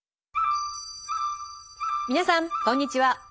皆さんこんにちは。